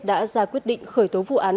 đã ra quyết định khởi tố vụ án